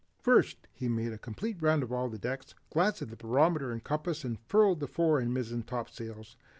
First, he made a complete round of all decks, glanced at the barometer and compass, and furled the fore and mizzen topsails.